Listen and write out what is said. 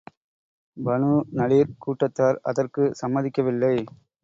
Banu Nadir கூட்டத்தார் அதற்குச் சம்மதிக்கவில்லை.